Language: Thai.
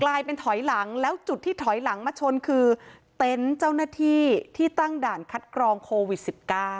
ถอยหลังแล้วจุดที่ถอยหลังมาชนคือเต็นต์เจ้าหน้าที่ที่ตั้งด่านคัดกรองโควิด๑๙